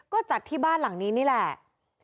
ก็จัดที่บ้านหลังนี้นี่แหละ